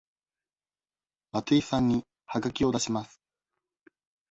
松井さんにはがきを出します。